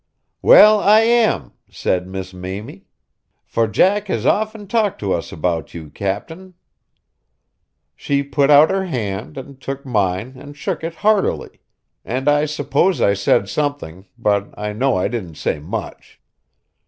"Well, I am," said Miss Mamie, "for Jack has often talked to us about you, captain." She put out her hand, and took mine and shook it heartily, and I suppose I said something, but I know I didn't say much.